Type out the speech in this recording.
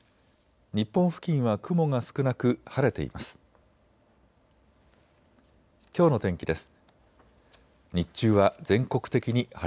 日本付近は雲が少なく晴れています。